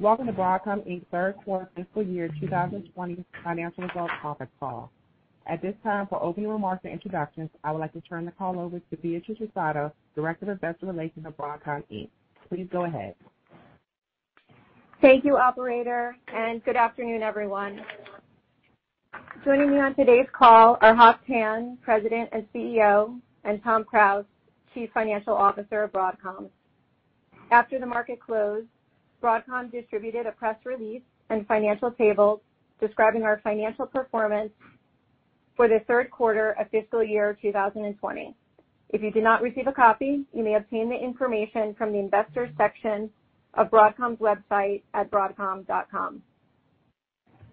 Welcome to Broadcom Inc's Third Quarter Fiscal Year 2020 Financial Results Conference Call. At this time, for opening remarks and introductions, I would like to turn the call over to Beatrice Russotto, Director of Investor Relations at Broadcom Inc. Please go ahead. Thank you, operator, and good afternoon, everyone. Joining me on today's call are Hock Tan, President and CEO, and Tom Krause, Chief Financial Officer of Broadcom. After the market closed, Broadcom distributed a press release and financial tables describing our financial performance for the third quarter of fiscal year 2020. If you did not receive a copy, you may obtain the information from the investors section of Broadcom's website at broadcom.com.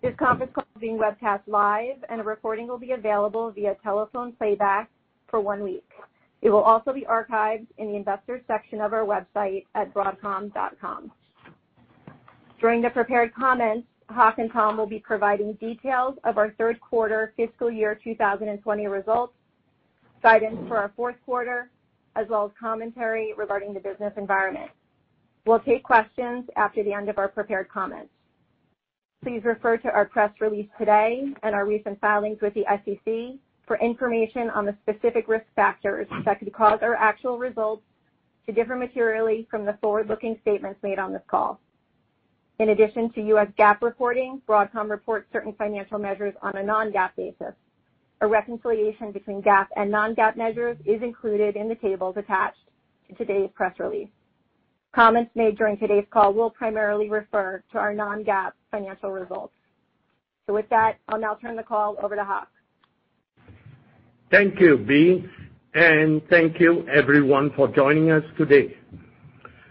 This conference call is being webcast live, and a recording will be available via telephone playback for one week. It will also be archived in the investors section of our website at broadcom.com. During the prepared comments, Hock and Tom will be providing details of our third quarter fiscal year 2020 results, guidance for our fourth quarter, as well as commentary regarding the business environment. We'll take questions after the end of our prepared comments. Please refer to our press release today and our recent filings with the SEC for information on the specific risk factors that could cause our actual results to differ materially from the forward-looking statements made on this call. In addition to U.S. GAAP reporting, Broadcom reports certain financial measures on a non-GAAP basis. A reconciliation between GAAP and non-GAAP measures is included in the tables attached to today's press release. Comments made during today's call will primarily refer to our non-GAAP financial results. With that, I'll now turn the call over to Hock. Thank you, Bea. Thank you everyone for joining us today.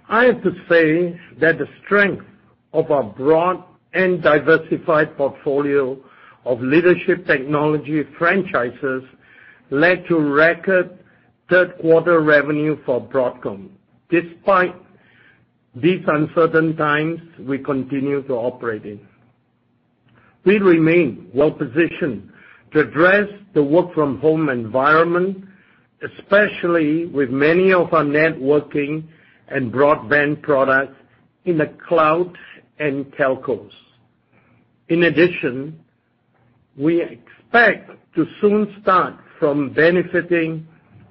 I have to say that the strength of our broad and diversified portfolio of leadership technology franchises led to record third-quarter revenue for Broadcom. Despite these uncertain times we continue to operate in. We remain well positioned to address the work-from-home environment, especially with many of our networking and broadband products in the cloud and telcos. In addition, we expect to soon start from benefiting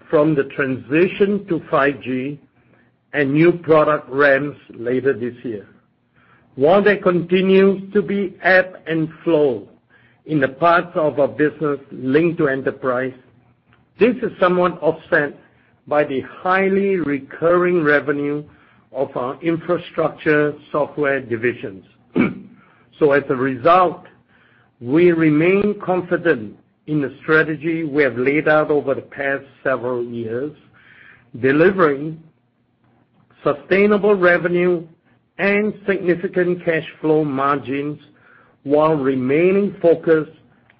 from the transition to 5G and new product ramps later this year. While there continues to be ebb and flow in the parts of our business linked to enterprise, this is somewhat offset by the highly recurring revenue of our infrastructure software divisions. As a result, we remain confident in the strategy we have laid out over the past several years, delivering sustainable revenue and significant cash flow margins while remaining focused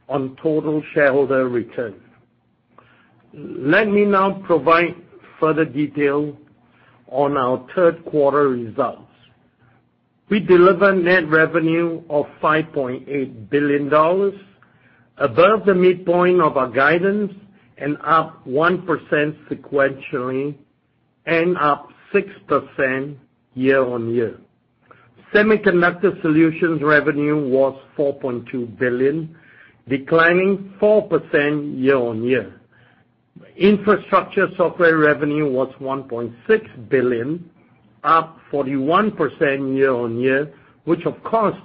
on total shareholder returns. Let me now provide further detail on our third quarter results. We delivered net revenue of $5.8 billion, above the midpoint of our guidance, and up 1% sequentially, and up 6% year-on-year. Semiconductor Solutions revenue was $4.2 billion, declining 4% year-on-year. Infrastructure Software revenue was $1.6 billion, up 41% year-on-year, which of course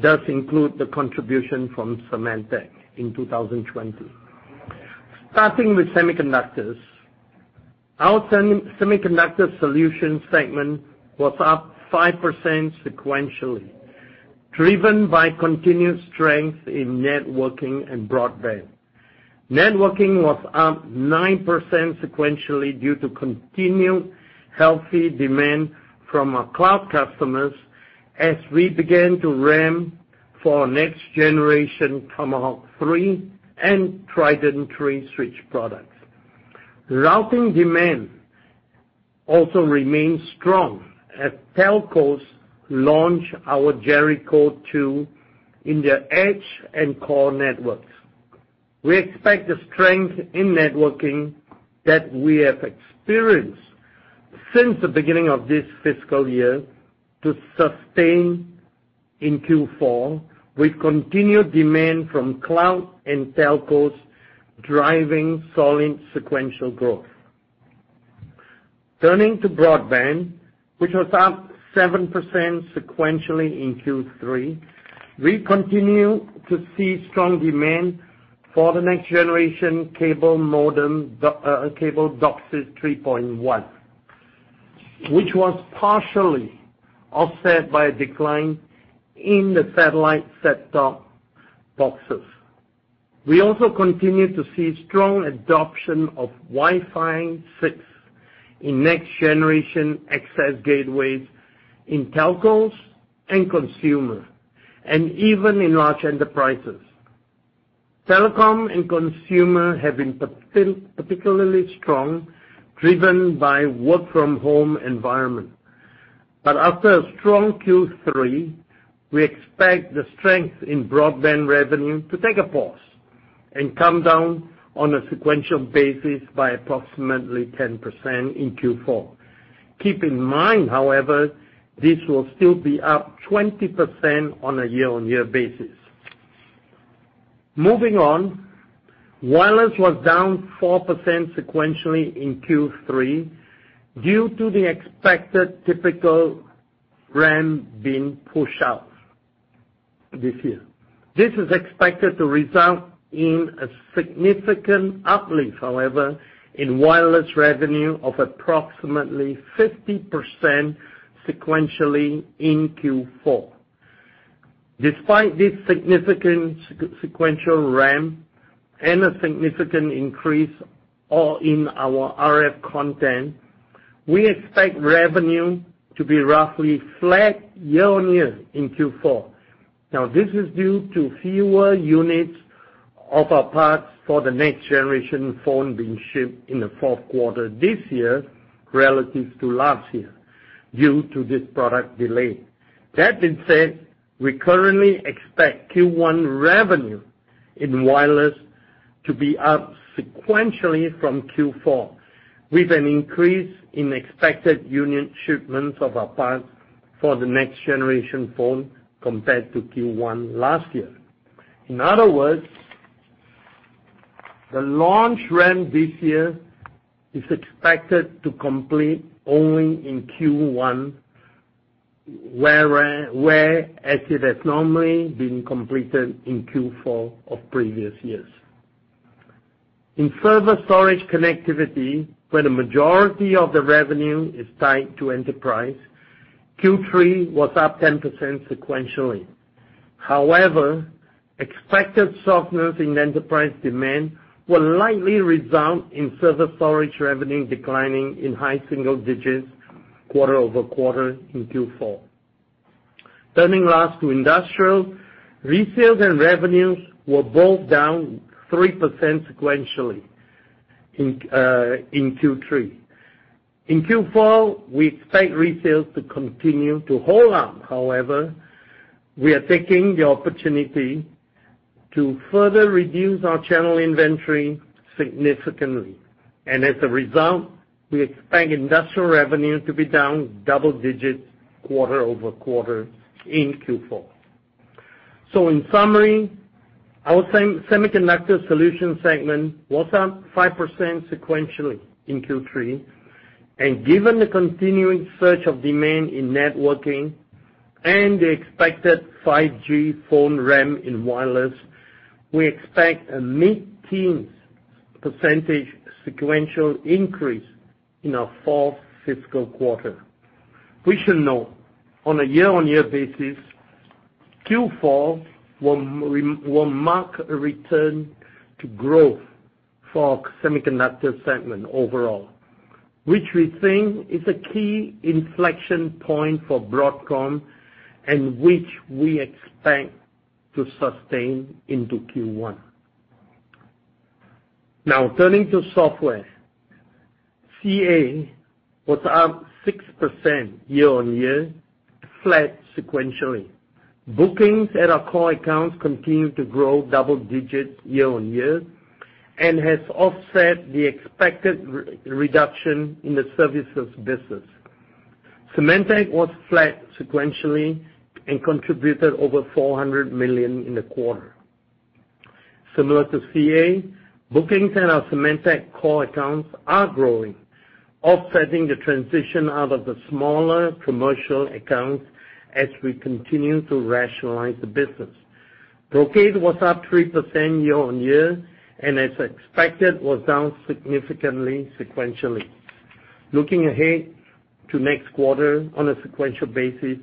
does include the contribution from Symantec in 2020. Starting with semiconductors, our Semiconductor Solutions segment was up 5% sequentially, driven by continued strength in networking and broadband. Networking was up 9% sequentially due to continued healthy demand from our cloud customers as we began to ramp for our next generation Tomahawk 3 and Trident 3 switch products. Routing demand also remains strong as telcos launch our Jericho2 in their edge and core networks. We expect the strength in networking that we have experienced since the beginning of this fiscal year to sustain in Q4 with continued demand from cloud and telcos driving solid sequential growth. Turning to broadband, which was up 7% sequentially in Q3, we continue to see strong demand for the next generation cable modem, Cable DOCSIS 3.1, which was partially offset by a decline in the satellite set-top boxes. We also continue to see strong adoption of Wi-Fi 6 in next generation access gateways in telcos and consumer, and even in large enterprises. Telecom and consumer have been particularly strong, driven by work from home environment. After a strong Q3, we expect the strength in broadband revenue to take a pause and come down on a sequential basis by approximately 10% in Q4. Keep in mind, however, this will still be up 20% on a year-on-year basis. Wireless was down 4% sequentially in Q3 due to the expected typical ramp being pushed out this year. This is expected to result in a significant uplift, however, in wireless revenue of approximately 50% sequentially in Q4. Despite this significant sequential ramp and a significant increase all in our RF content, we expect revenue to be roughly flat year-on-year in Q4. this is due to fewer units of our parts for the next-generation phone being shipped in the fourth quarter this year relative to last year due to this product delay. we currently expect Q1 revenue in wireless to be up sequentially from Q4, with an increase in expected unit shipments of our parts for the next-generation phone compared to Q1 last year. In other words, the launch ramp this year is expected to complete only in Q1, whereas it has normally been completed in Q4 of previous years. In server storage connectivity, where the majority of the revenue is tied to enterprise, Q3 was up 10% sequentially. However, expected softness in enterprise demand will likely result in server storage revenue declining in high single digits quarter-over-quarter in Q4. Turning last to industrial, resales and revenues were both down 3% sequentially in Q3. In Q4, we expect resales to continue to hold up. However, we are taking the opportunity to further reduce our channel inventory significantly. As a result, we expect industrial revenue to be down double digits quarter-over-quarter in Q4. In summary, our semiconductor solution segment was up 5% sequentially in Q3. Given the continuing surge of demand in networking and the expected 5G phone ramp in wireless, we expect a mid-teens percentage sequential increase in our fourth fiscal quarter. We should note, on a year-on-year basis, Q4 will mark a return to growth for our semiconductor segment overall, which we think is a key inflection point for Broadcom and which we expect to sustain into Q1. Turning to software. CA was up 6% year-on-year, flat sequentially. Bookings at our core accounts continue to grow double digits year-on-year and has offset the expected reduction in the services business. Symantec was flat sequentially and contributed over $400 million in the quarter. Similar to CA, bookings at our Symantec core accounts are growing, offsetting the transition out of the smaller commercial accounts as we continue to rationalize the business. Brocade was up 3% year-on-year and, as expected, was down significantly sequentially. Looking ahead to next quarter on a sequential basis,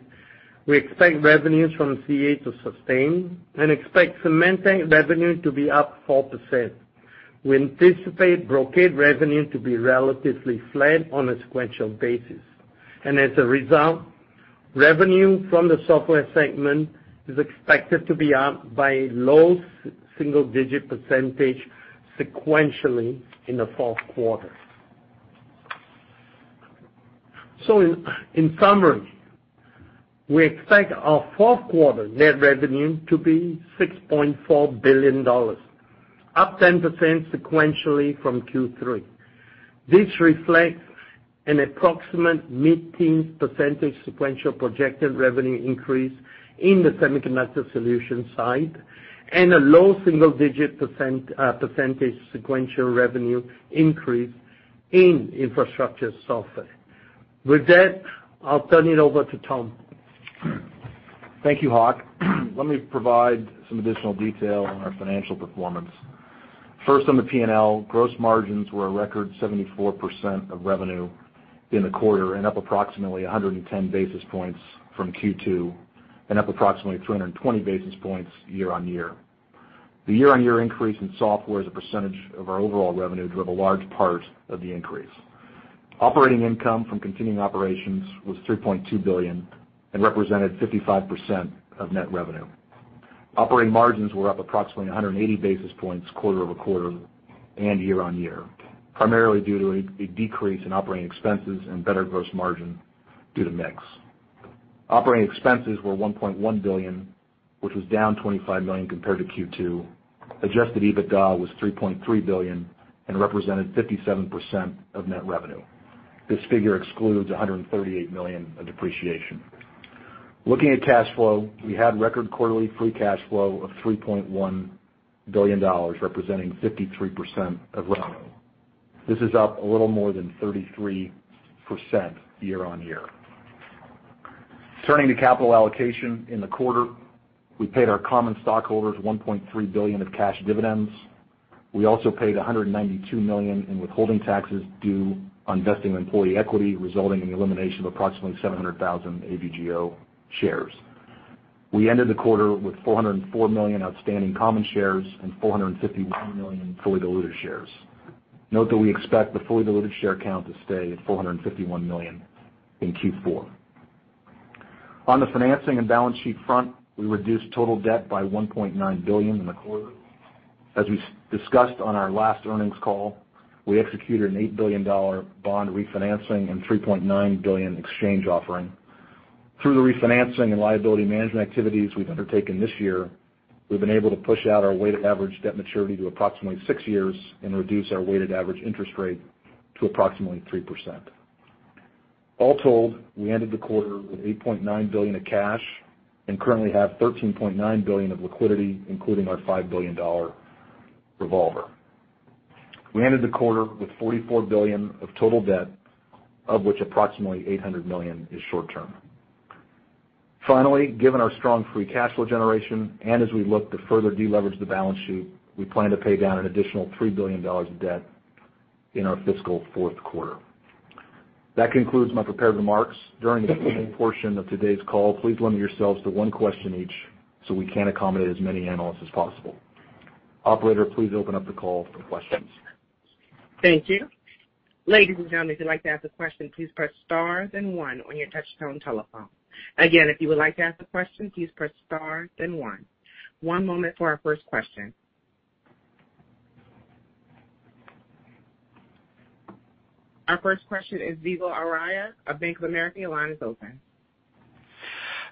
we expect revenues from CA to sustain and expect Symantec revenue to be up 4%. We anticipate Brocade revenue to be relatively flat on a sequential basis. As a result, revenue from the software segment is expected to be up by low single-digit percentage sequentially in the fourth quarter. In summary, we expect our fourth quarter net revenue to be $6.4 billion, up 10% sequentially from Q3. This reflects an approximate mid-teens percentage sequential projected revenue increase in the semiconductor solutions side and a low single-digit percentage sequential revenue increase in infrastructure software. With that, I'll turn it over to Tom. Thank you, Hock. Let me provide some additional detail on our financial performance. First, on the P&L, gross margins were a record 74% of revenue in the quarter and up approximately 110 basis points from Q2 and up approximately 220 basis points year-on-year. The year-on-year increase in software as a percentage of our overall revenue drove a large part of the increase. Operating income from continuing operations was $3.2 billion and represented 55% of net revenue. Operating margins were up approximately 180 basis points quarter-over-quarter and year-on-year, primarily due to a decrease in operating expenses and better gross margin due to mix. Operating expenses were $1.1 billion, which was down $25 million compared to Q2. Adjusted EBITDA was $3.3 billion and represented 57% of net revenue. This figure excludes $138 million of depreciation. Looking at cash flow, we had record quarterly free cash flow of $3.1 billion, representing 53% of revenue. This is up a little more than 33% year-on-year. Turning to capital allocation in the quarter, we paid our common stockholders $1.3 billion of cash dividends. We also paid $192 million in withholding taxes due on vesting employee equity, resulting in the elimination of approximately 700,000 AVGO shares. We ended the quarter with 404 million outstanding common shares and 451 million fully diluted shares. Note that we expect the fully diluted share count to stay at 451 million in Q4. On the financing and balance sheet front, we reduced total debt by $1.9 billion in the quarter. As we discussed on our last earnings call, we executed an $8 billion bond refinancing and $3.9 billion exchange offering. Through the refinancing and liability management activities we've undertaken this year, we've been able to push out our weighted average debt maturity to approximately six years and reduce our weighted average interest rate to approximately 3%. All told, we ended the quarter with $8.9 billion of cash and currently have $13.9 billion of liquidity, including our $5 billion revolver. We ended the quarter with $44 billion of total debt, of which approximately $800 million is short-term. Finally, given our strong free cash flow generation and as we look to further de-leverage the balance sheet, we plan to pay down an additional $3 billion of debt in our fiscal fourth quarter. That concludes my prepared remarks. During the Q&A portion of today's call, please limit yourselves to one question each so we can accommodate as many analysts as possible. Operator, please open up the call for questions. Thank you. Ladies and gentlemen, if you'd like to ask a question, please press star then one on your touch-tone telephone. Again, if you would like to ask a question, please press star then one. One moment for our first question. Our first question is Vivek Arya of Bank of America. Your line is open.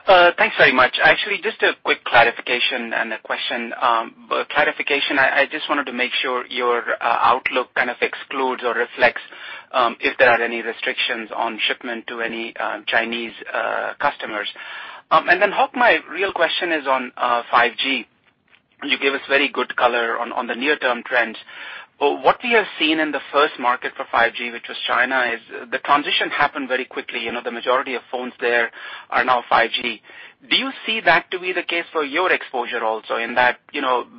Thanks very much. Actually, just a quick clarification and a question. Clarification, I just wanted to make sure your outlook kind of excludes or reflects if there are any restrictions on shipment to any Chinese customers. Hock, my real question is on 5G. You gave us very good color on the near-term trends. What we have seen in the first market for 5G, which was China, is the transition happened very quickly. The majority of phones there are now 5G. Do you see that to be the case for your exposure also in that,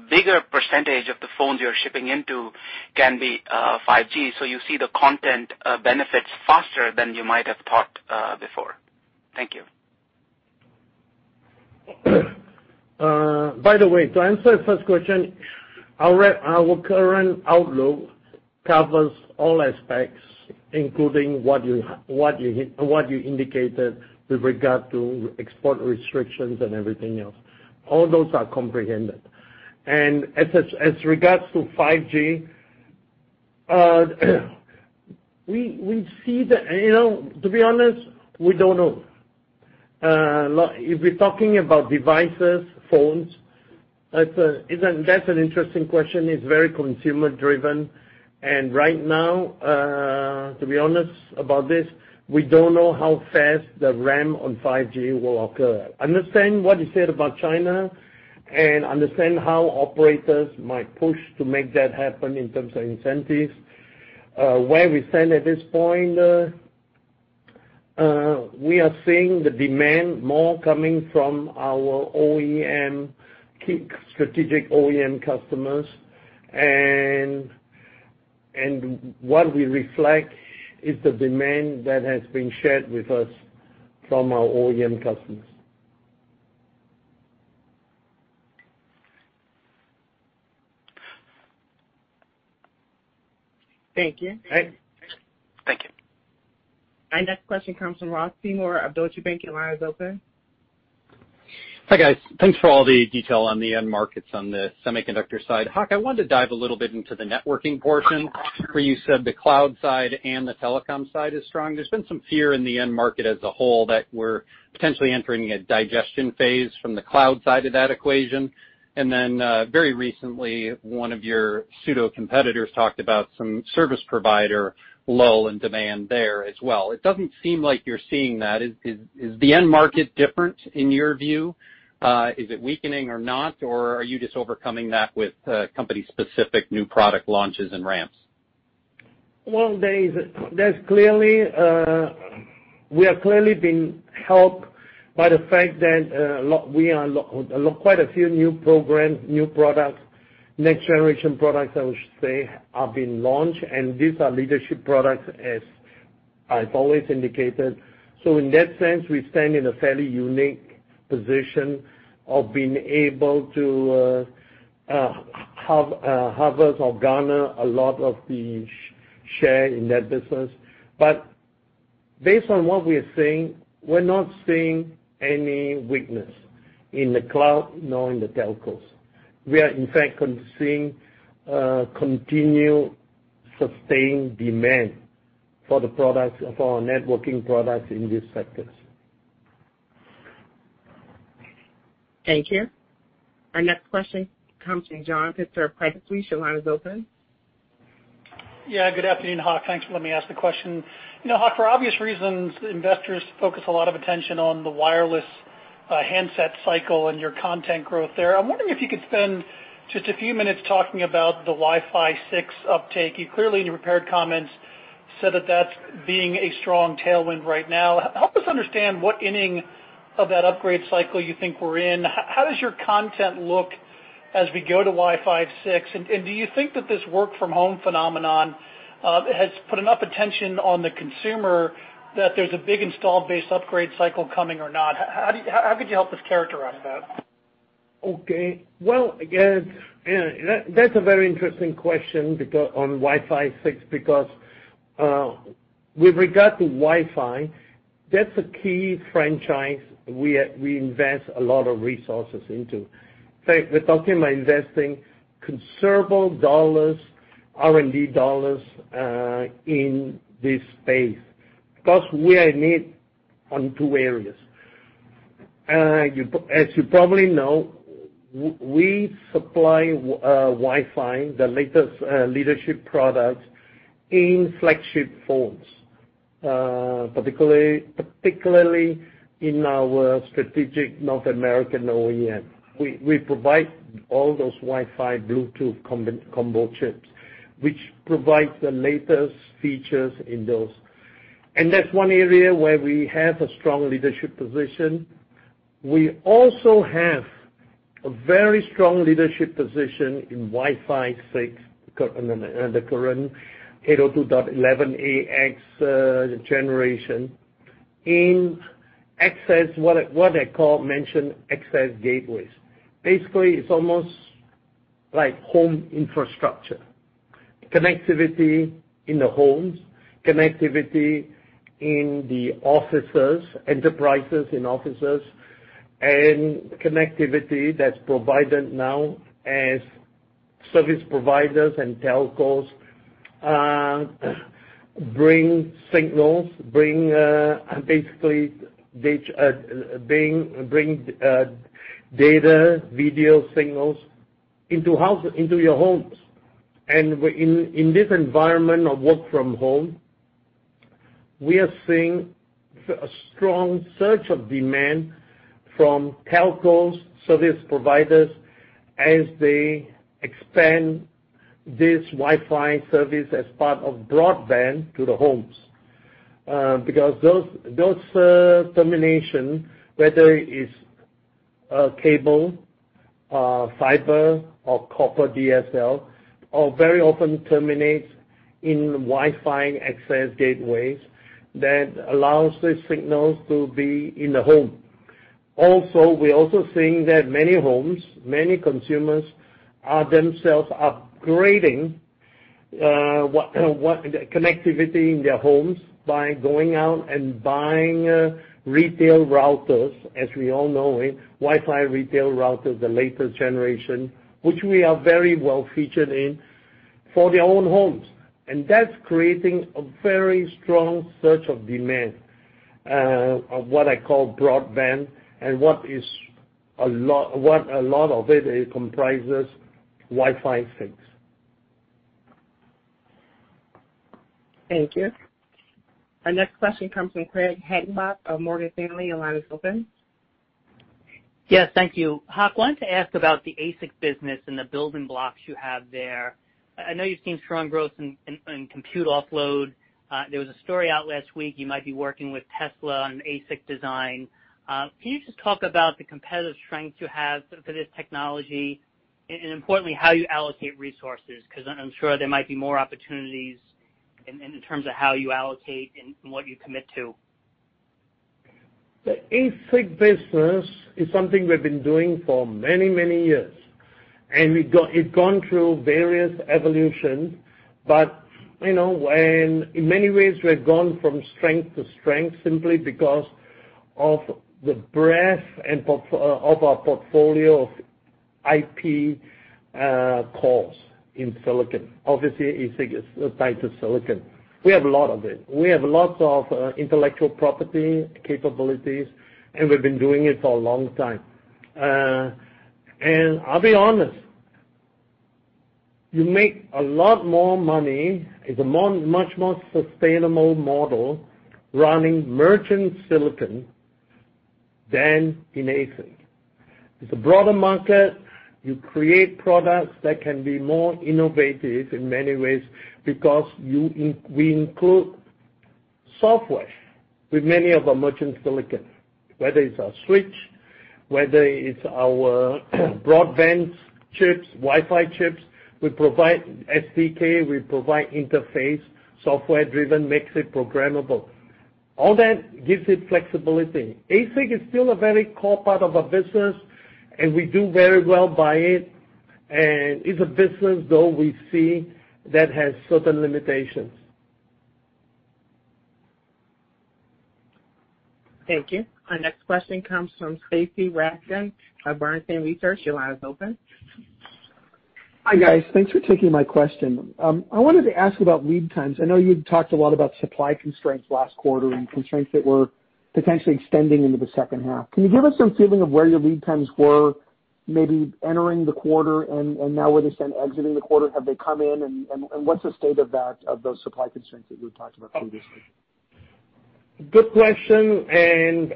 bigger percentage of the phones you're shipping into can be 5G, so you see the content benefits faster than you might have thought before? Thank you. By the way, to answer the first question, our current outlook covers all aspects, including what you indicated with regard to export restrictions and everything else. All those are comprehended. As regards to 5G, to be honest, we don't know. If we're talking about devices, phones, that's an interesting question. It's very consumer driven, and right now, to be honest about this, we don't know how fast the ramp on 5G will occur. Understand what is said about China and understand how operators might push to make that happen in terms of incentives. Where we stand at this point, we are seeing the demand more coming from our key strategic OEM customers. What we reflect is the demand that has been shared with us from our OEM customers. Thank you. Thank you. Our next question comes from Ross Seymore of Deutsche Bank. Your line is open. Hi, guys. Thanks for all the detail on the end markets on the semiconductor side. Hock, I wanted to dive a little bit into the networking portion where you said the cloud side and the telecom side is strong. There's been some fear in the end market as a whole that we're potentially entering a digestion phase from the cloud side of that equation. Then, very recently, one of your pseudo competitors talked about some service provider lull in demand there as well. It doesn't seem like you're seeing that. Is the end market different in your view? Is it weakening or not, or are you just overcoming that with company specific new product launches and ramps? Well, we have clearly been helped by the fact that quite a few new programs, new products, next generation products, I should say, are being launched, and these are leadership products, as I've always indicated. In that sense, we stand in a fairly unique position of being able to harvest or garner a lot of the share in that business. Based on what we're seeing, we're not seeing any weakness in the cloud nor in the telcos. We are, in fact, seeing continued sustained demand for the products, for our networking products in these sectors. Thank you. Our next question comes from John Pitzer of Credit Suisse. Your line is open. Yeah, good afternoon, Hock. Thanks for letting me ask the question. You know, Hock, for obvious reasons, investors focus a lot of attention on the wireless handset cycle and your content growth there. I'm wondering if you could spend just a few minutes talking about the Wi-Fi 6 uptake. You clearly, in your prepared comments, said that that's being a strong tailwind right now. Help us understand what inning of that upgrade cycle you think we're in. How does your content look as we go to Wi-Fi 6? Do you think that this work from home phenomenon has put enough attention on the consumer that there's a big installed base upgrade cycle coming or not? How could you help us characterize that? Okay. Well, again, that's a very interesting question on Wi-Fi 6 because with regard to Wi-Fi, that's a key franchise we invest a lot of resources into. In fact, we're talking about investing considerable dollars, R&D dollars, in this space. Because we are a need on two areas. As you probably know, we supply Wi-Fi, the latest leadership product in flagship phones, particularly in our strategic North American OEM. We provide all those Wi-Fi, Bluetooth combo chips, which provide the latest features in those. That's one area where we have a strong leadership position. We also have a very strong leadership position in Wi-Fi 6, the current 802.11ax generation, in access, what I call, mention access gateways. Basically, it's almost like home infrastructure. Connectivity in the homes, connectivity in the offices, enterprises in offices, and connectivity that's provided now as service providers and telcos bring signals, bring data, video signals into your homes. In this environment of work from home, we are seeing a strong surge of demand from telcos, service providers, as they expand this Wi-Fi service as part of broadband to the homes. Those termination, whether it is cable, fiber, or copper DSL, all very often terminates in Wi-Fi access gateways that allows these signals to be in the home. Also, we're also seeing that many homes, many consumers are themselves upgrading connectivity in their homes by going out and buying retail routers, as we all know, Wi-Fi retail routers, the latest generation, which we are very well featured in for their own homes. That's creating a very strong surge of demand of what I call broadband, and what a lot of it comprises Wi-Fi 6. Thank you. Our next question comes from Craig Hettenbach of Morgan Stanley. Your line is open. Thank you. Hock, wanted to ask about the ASIC business and the building blocks you have there. I know you've seen strong growth in compute offload. There was a story out last week, you might be working with Tesla on ASIC design. Can you just talk about the competitive strength you have for this technology, and importantly, how you allocate resources? I'm sure there might be more opportunities in terms of how you allocate and what you commit to. The ASIC business is something we've been doing for many, many years, and it's gone through various evolutions. In many ways, we've gone from strength to strength simply because of the breadth of our portfolio of IP cores in silicon. Obviously, ASIC is a type of silicon. We have a lot of it. We have lots of intellectual property capabilities, and we've been doing it for a long time. I'll be honest, you make a lot more money, it's a much more sustainable model running merchant silicon than in ASIC. It's a broader market. You create products that can be more innovative in many ways because we include software with many of our merchant silicon, whether it's our switch, whether it's our broadband chips, Wi-Fi chips. We provide SDK, we provide interface, software-driven, makes it programmable. All that gives it flexibility. ASIC is still a very core part of our business, and we do very well by it. It's a business, though, we see that has certain limitations. Thank you. Our next question comes from Stacy Rasgon of Bernstein Research. Your line is open. Hi, guys. Thanks for taking my question. I wanted to ask about lead times. I know you had talked a lot about supply constraints last quarter and constraints that were potentially extending into the second half. Can you give us some feeling of where your lead times were, maybe entering the quarter and now where they stand exiting the quarter? Have they come in and what's the state of those supply constraints that you had talked about previously? Good question,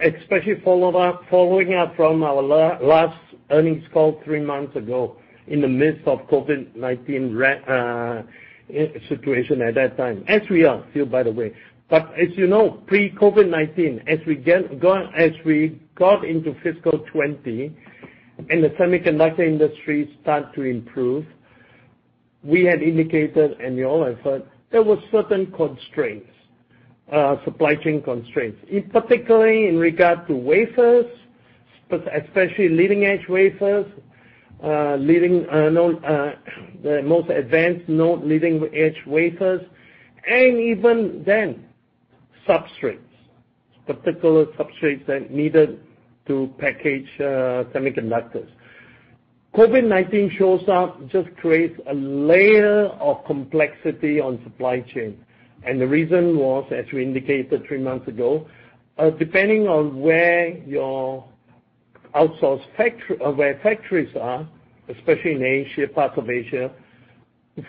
especially following up from our last earnings call three months ago in the midst of COVID-19 situation at that time, as we are still, by the way. As you know, pre-COVID-19, as we got into fiscal 2020 and the semiconductor industry start to improve, we had indicated, and you all have heard, there were certain constraints, supply chain constraints, particularly in regard to wafers, especially leading-edge wafers, the most advanced node leading-edge wafers, even then substrates, particular substrates that needed to package semiconductors. COVID-19 shows up, just creates a layer of complexity on supply chain. The reason was, as we indicated three months ago, depending on where factories are, especially in parts of Asia,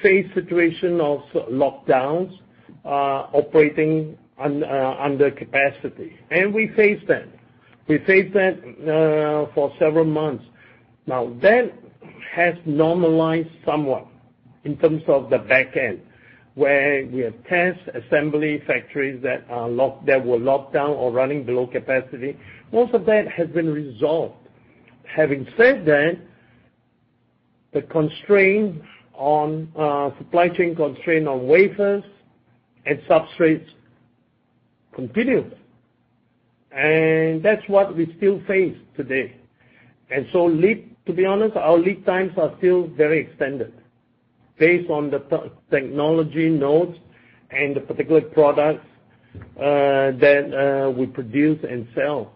face situation of lockdowns, operating under capacity. We faced that for several months. That has normalized somewhat in terms of the back end, where we have test assembly factories that were locked down or running below capacity. Most of that has been resolved. Having said that, the supply chain constraint on wafers and substrates continues, and that's what we still face today. To be honest, our lead times are still very extended based on the technology nodes and the particular products that we produce and sell.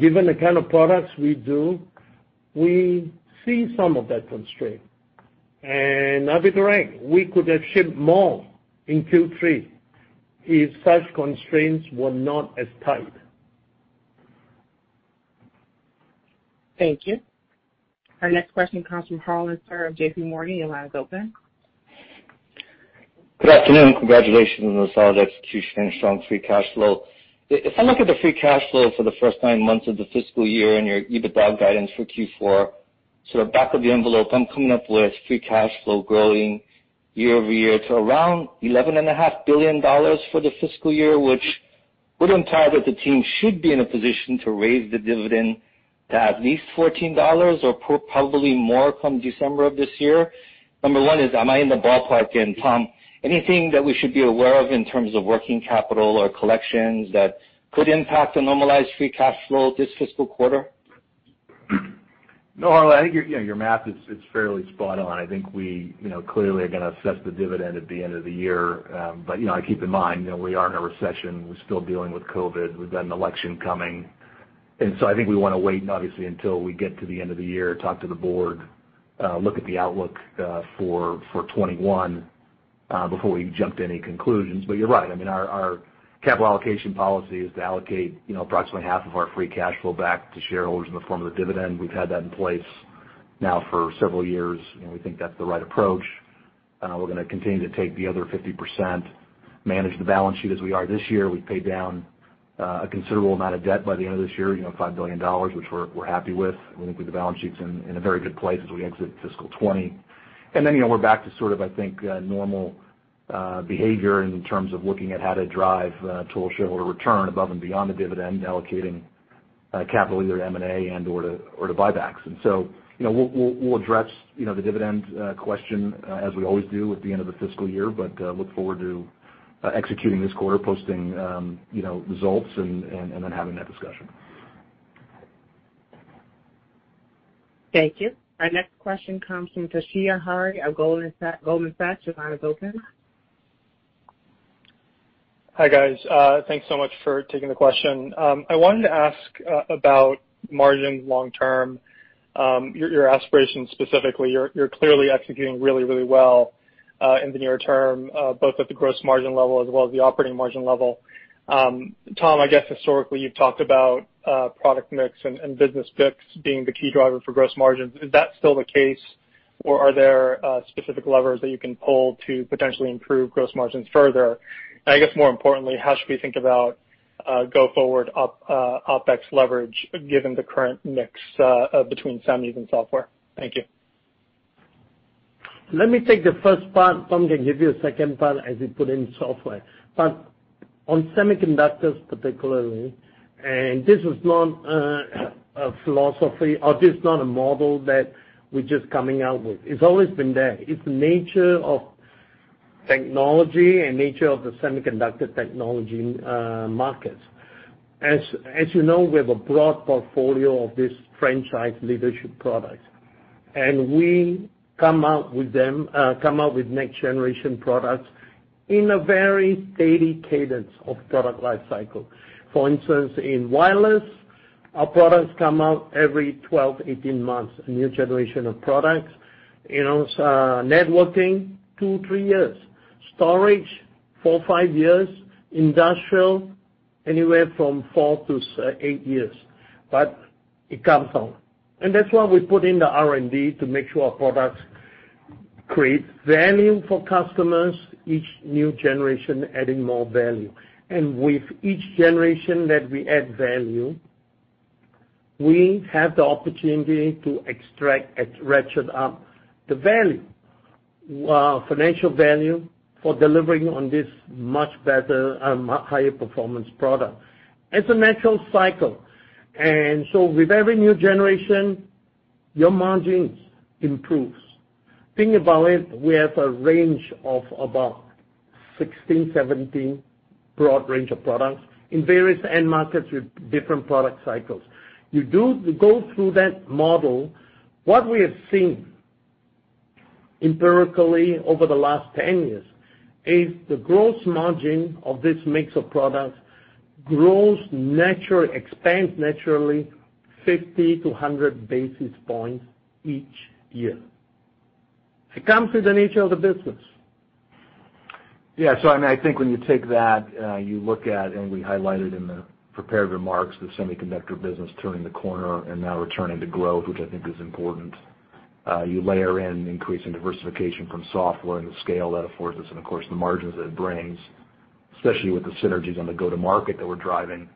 Given the kind of products we do, we see some of that constraint. I'll be correct, we could have shipped more in Q3 if such constraints were not as tight. Thank you. Our next question comes from Harlan Sur of JPMorgan. Your line is open. Good afternoon. Congratulations on the solid execution and strong free cash flow. If I look at the free cash flow for the first nine months of the fiscal year and your EBITDA guidance for Q4, sort of back of the envelope, I'm coming up with free cash flow growing year-over-year to around $11.5 billion for the fiscal year, which would imply that the team should be in a position to raise the dividend to at least $14 or probably more come December of this year. Number one is, am I in the ballpark? Tom, anything that we should be aware of in terms of working capital or collections that could impact the normalized free cash flow this fiscal quarter? Harlan, I think your math is fairly spot on. I think we clearly are going to assess the dividend at the end of the year. I keep in mind, we are in a recession. We're still dealing with COVID. We've got an election coming. I think we want to wait and obviously until we get to the end of the year, talk to the board, look at the outlook for 2021 before we jump to any conclusions. You're right. Our capital allocation policy is to allocate approximately half of our free cash flow back to shareholders in the form of a dividend. We've had that in place now for several years, and we think that's the right approach. We're going to continue to take the other 50%, manage the balance sheet as we are this year. We pay down a considerable amount of debt by the end of this year, $5 billion, which we're happy with. We think that the balance sheet's in a very good place as we exit fiscal 2020. We're back to sort of, I think, normal behavior in terms of looking at how to drive total shareholder return above and beyond the dividend, allocating capital either to M&A and/or to buybacks. We'll address the dividend question as we always do at the end of the fiscal year, but look forward to executing this quarter, posting results, and then having that discussion. Thank you. Our next question comes from Toshiya Hari of Goldman Sachs. Your line is open. Hi, guys. Thanks so much for taking the question. I wanted to ask about margin long term, your aspirations specifically. You're clearly executing really well in the near term, both at the gross margin level as well as the operating margin level. Tom, I guess historically you've talked about product mix and business mix being the key driver for gross margins. Is that still the case, or are there specific levers that you can pull to potentially improve gross margins further? I guess more importantly, how should we think about go forward OpEx leverage given the current mix between semis and software? Thank you. Let me take the first part. Tom can give you the second part as we put in software. On semiconductors particularly, this is not a philosophy or this is not a model that we're just coming out with. It's always been there. It's the nature of technology and nature of the semiconductor technology markets. As you know, we have a broad portfolio of this franchise leadership product. We come out with next generation products in a very steady cadence of product life cycle. For instance, in wireless, our products come out every 12, 18 months, a new generation of products. Networking, two, three years. Storage, four, five years. Industrial, anywhere from four to eight years. It comes out. That's why we put in the R&D to make sure our products create value for customers, each new generation adding more value. With each generation that we add value, we have the opportunity to extract and ratchet up the value, financial value, for delivering on this much better, higher performance product. It's a natural cycle. With every new generation, your margins improves. Think about it, we have a range of about 16, 17 broad range of products in various end markets with different product cycles. You go through that model. What we have seen empirically over the last 10 years is the gross margin of this mix of products grows naturally, expands naturally 50 to 100 basis points each year. It comes with the nature of the business. Yeah. I think when you take that, you look at, and we highlighted in the prepared remarks, the semiconductor business turning the corner and now returning to growth, which I think is important. You layer in increasing diversification from software and the scale that affords us and, of course, the margins that it brings, especially with the synergies on the go-to-market that we're driving.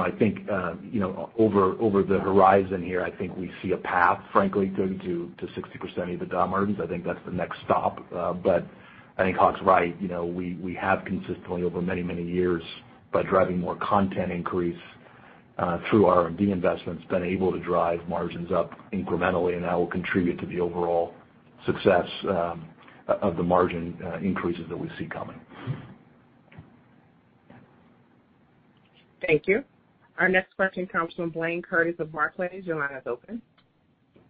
I think, over the horizon here, I think we see a path, frankly, to 60% EBITDA margins. I think that's the next stop. I think Hock's right. We have consistently, over many, many years, by driving more content increase through R&D investments, been able to drive margins up incrementally, and that will contribute to the overall success of the margin increases that we see coming. Thank you. Our next question comes from Blayne Curtis of Barclays. Your line is open.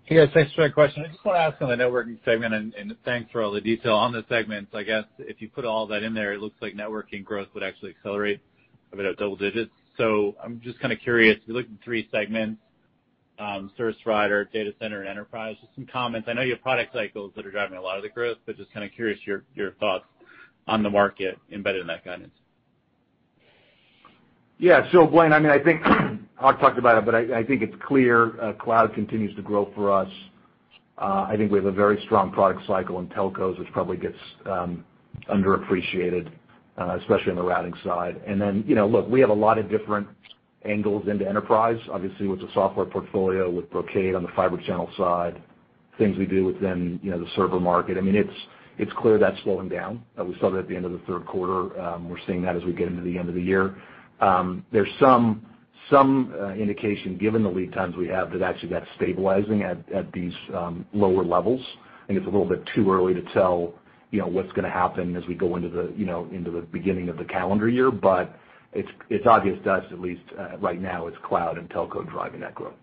Hey, guys. Thanks for the question. I just want to ask on the networking segment, and thanks for all the detail on the segment. I guess if you put all that in there, it looks like networking growth would actually accelerate a bit of double digits. I'm just kind of curious, you look at the three segments, Service Provider, Data Center, and Enterprise, just some comments. I know you have product cycles that are driving a lot of the growth, but just kind of curious your thoughts on the market embedded in that guidance. Blayne, I think Hock talked about it, but I think it's clear, cloud continues to grow for us. I think we have a very strong product cycle in telcos, which probably gets underappreciated, especially on the routing side. Look, we have a lot of different angles into enterprise, obviously with the software portfolio, with Brocade on the Fibre Channel side, things we do within the server market. It's clear that's slowing down. We saw that at the end of the third quarter. We're seeing that as we get into the end of the year. There's some indication, given the lead times we have, that actually that's stabilizing at these lower levels. I think it's a little bit too early to tell what's going to happen as we go into the beginning of the calendar year. It's obvious to us, at least right now, it's cloud and telco driving that growth.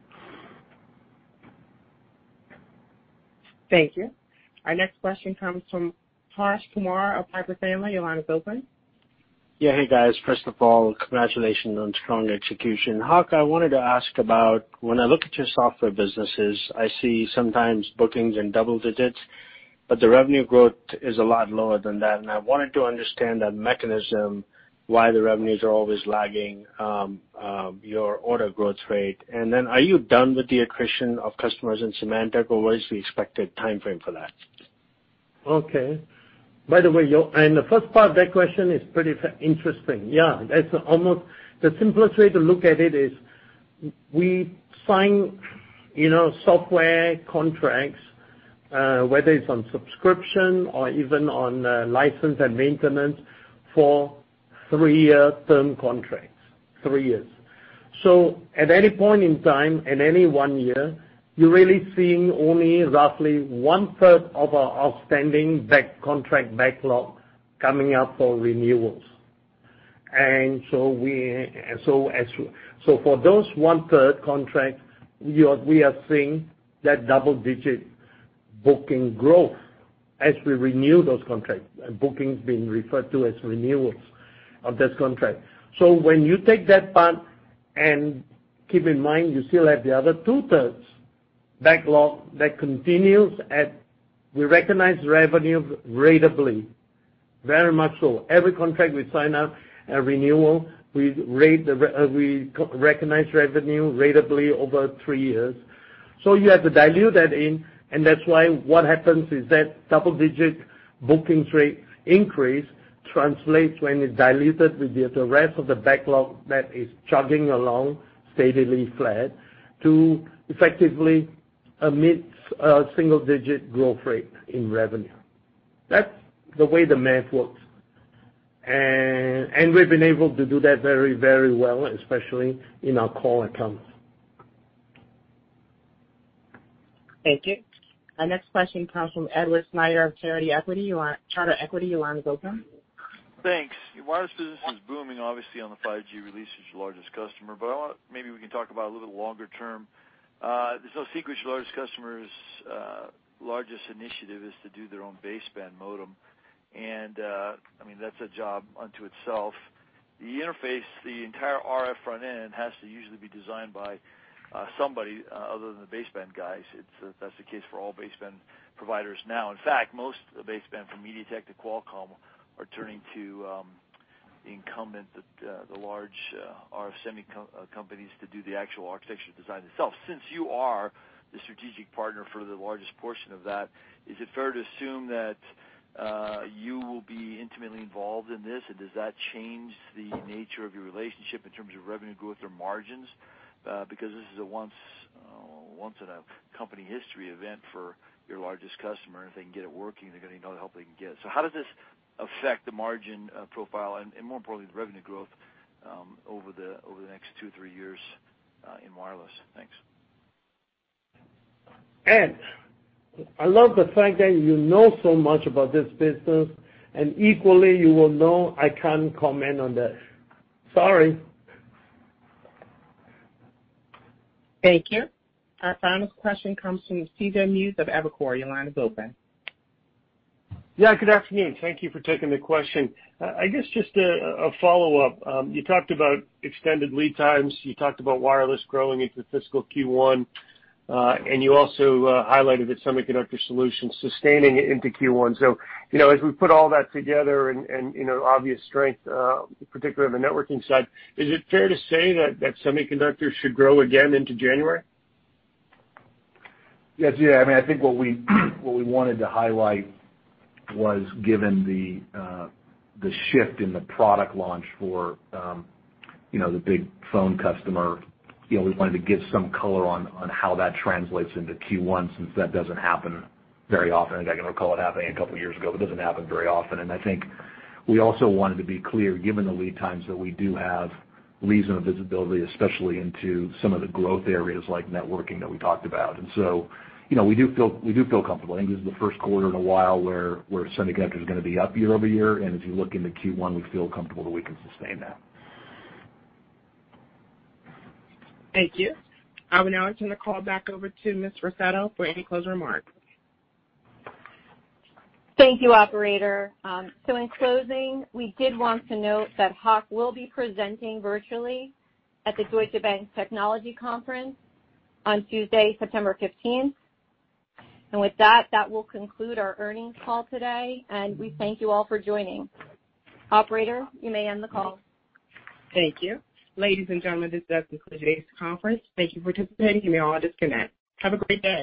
Thank you. Our next question comes from Harsh Kumar of Piper Sandler. Your line is open. Yeah. Hey, guys. First of all, congratulations on strong execution. Hock, I wanted to ask about, when I look at your software businesses, I see sometimes bookings in double digits, but the revenue growth is a lot lower than that, and I wanted to understand that mechanism, why the revenues are always lagging your order growth rate. Then are you done with the accretion of customers in Symantec, or what is the expected timeframe for that? Okay. By the way, the first part of that question is pretty interesting. Yeah. The simplest way to look at it is we sign software contracts, whether it's on subscription or even on license and maintenance for three-year term contracts. Three years. For those one-third contracts, we are seeing that double-digit booking growth as we renew those contracts, bookings being referred to as renewals of this contract. When you take that part, and keep in mind, you still have the other 2/3 backlog that continues at, we recognize revenue ratably, very much so. Every contract we sign up, a renewal, we recognize revenue ratably over three years. You have to dilute that in, and that's why what happens is that double-digit booking rate increase translates when it's diluted with the rest of the backlog that is chugging along steadily flat to effectively a mid-single digit growth rate in revenue. That's the way the math works. We've been able to do that very, very well, especially in our core accounts. Thank you. Our next question comes from Edward Snyder of Charter Equity. Your line is open. Thanks. Your wireless business is booming, obviously, on the 5G release as your largest customer. Maybe we can talk about a little bit longer term. It's no secret your largest customer's largest initiative is to do their own baseband modem, and that's a job unto itself. The interface, the entire RF front end, has to usually be designed by somebody other than the baseband guys. That's the case for all baseband providers now. In fact, most of the baseband, from MediaTek to Qualcomm, are turning to the incumbent, the large RF semi companies, to do the actual architecture design itself. Since you are the strategic partner for the largest portion of that, is it fair to assume that you will be intimately involved in this? Does that change the nature of your relationship in terms of revenue growth or margins? Because this is a once in a company history event for your largest customer, and if they can get it working, they're getting all the help they can get. How does this affect the margin profile and, more importantly, the revenue growth over the next two, three years in wireless? Thanks. Ed, I love the fact that you know so much about this business, and equally you will know I can't comment on that. Sorry. Thank you. Our final question comes from C.J. Muse of Evercore. Your line is open. Yeah, good afternoon. Thank you for taking the question. I guess just a follow-up. You talked about extended lead times, you talked about wireless growing into fiscal Q1, and you also highlighted the semiconductor solutions sustaining into Q1. As we put all that together and obvious strength, particular on the networking side, is it fair to say that semiconductors should grow again into January? Yes. I think what we wanted to highlight was, given the shift in the product launch for the big phone customer, we wanted to give some color on how that translates into Q1, since that doesn't happen very often. I can recall it happening a couple of years ago. It doesn't happen very often. I think we also wanted to be clear, given the lead times, that we do have reasonable visibility, especially into some of the growth areas like networking that we talked about. We do feel comfortable. I think this is the first quarter in a while where semiconductor is going to be up year-over-year. If you look into Q1, we feel comfortable that we can sustain that. Thank you. I will now turn the call back over to Ms. Russotto for any closing remarks. Thank you, Operator. In closing, we did want to note that Hock will be presenting virtually at the Deutsche Bank Technology Conference on Tuesday, September 15th. And with that will conclude our earnings call today, and we thank you all for joining. Operator, you may end the call. Thank you. Ladies and gentlemen, this does conclude today's conference. Thank you for participating. You may all disconnect. Have a great day.